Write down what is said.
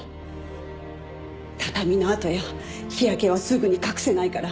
畳の跡や日焼けはすぐに隠せないから